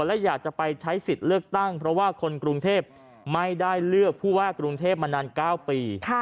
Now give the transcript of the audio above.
และอยากจะไปใช้สิทธิ์เลือกตั้งเพราะว่าคนกรุงเทพไม่ได้เลือกผู้ว่ากรุงเทพมานาน๙ปี